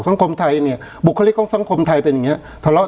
สังคมไทยเนี่ยบุคลิกของสังคมไทยเป็นอย่างเงี้ทะเลาะ